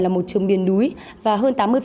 là một trường miền núi và hơn